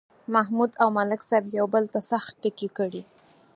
محمود او ملک صاحب یو بل ته سخت ټکي کړي.